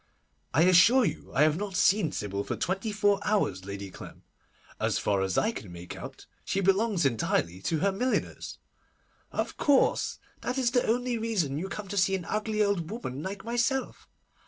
'I assure you I have not seen Sybil for twenty four hours, Lady Clem. As far as I can make out, she belongs entirely to her milliners.' 'Of course; that is the only reason you come to see an ugly old woman like myself.